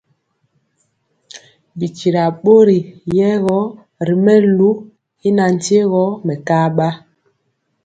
Bi tyira bori rɛye ri melu y nantye gɔ mɛkaba.